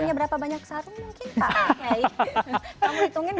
punya berapa banyak sarung mungkin pak